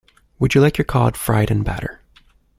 Would you like your cod fried in batter?